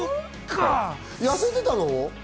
やせてたの？